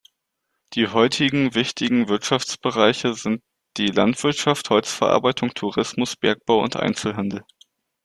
Die heutigen wichtigen Wirtschaftsbereiche sind die Landwirtschaft, Holzverarbeitung, Tourismus, Bergbau und Einzelhandel.